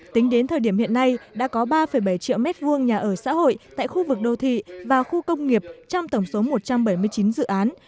tính đến thời điểm hiện nay đã có ba bảy triệu m hai nhà ở xã hội tại khu vực đô thị và khu công nghiệp trong tổng số một trăm bảy mươi chín dự án